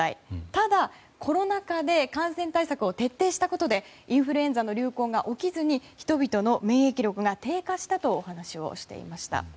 ただ、コロナ禍で感染対策を徹底したことでインフルエンザの流行が起きずに人々の免疫力が低下したとお話していました。